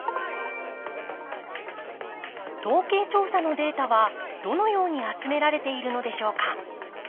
統計調査のデータはどのように集められているのでしょうか。